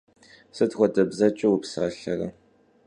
Sıt xuede bzeç'e vupsalhere?